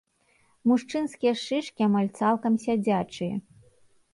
Мужчынскія шышкі амаль цалкам сядзячыя.